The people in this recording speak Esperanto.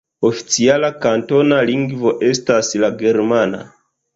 Oficiala kantona lingvo estas la germana.